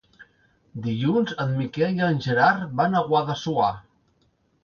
Dilluns en Miquel i en Gerard van a Guadassuar.